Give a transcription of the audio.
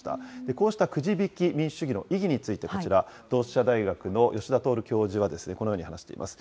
こうしたくじ引き民主主義の意義についてこちら、同志社大学の吉田徹教授はこのように話しています。